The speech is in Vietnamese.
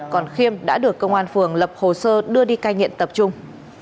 còn khiêm đã được công an phường lập hồ sơ đưa đi cai nghiện tập trung